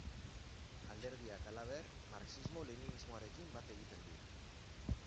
Alderdiak, halaber, marxismo-leninismoarekin bat egiten du.